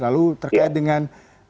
lalu terkait dengan